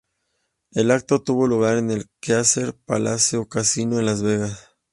El acto tuvo lugar en el Caesars Palace Casino en Las Vegas.